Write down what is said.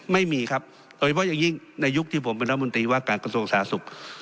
ไม่มีครับโดยเฉพาะอย่างยิ่งในยุคที่ผมเป็นรัฐมนตรีว่าการกระทรวงสาธารณสุข